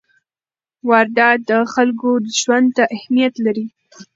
واردات د خلکو ژوند ته اهمیت لري.